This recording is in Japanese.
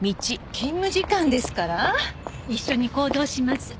勤務時間ですから一緒に行動します。